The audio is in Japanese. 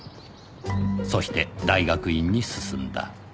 そして大学院に進んだ